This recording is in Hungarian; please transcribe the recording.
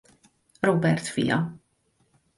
Róbert fia.